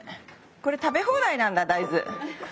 これ食べ放題なんだ大豆。